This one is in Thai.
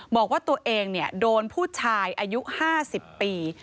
บอกว่าตัวเองโดนผู้ชายอายุ๕๐ปี